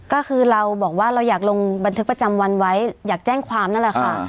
ก็คือเราบอกว่าเราอยากลงบันทึกประจำวันไว้อยากแจ้งความนั่นแหละค่ะ